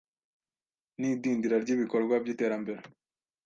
n’idindira ry’ibikorwa by’iterambere